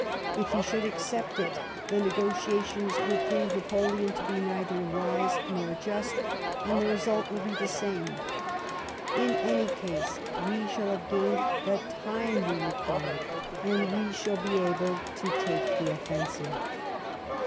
If he should accept it, the negotiations will prove Napoleon to be neither wise nor just, and the result will be the same. In any case, we sliall have gained the time we required, and we shall be able to take the offensive."